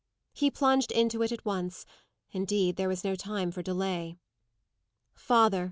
He plunged into it at once; indeed, there was no time for delay. "Father!"